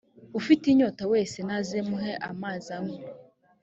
ufite inyota wese naze muhe amazi anywe